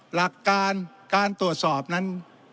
หลักการการตรวจสอบนั้น